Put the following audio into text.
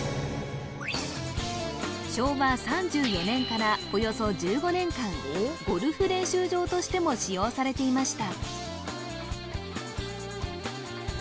昭和３４年からおよそ１５年間ゴルフ練習場としても使用されていました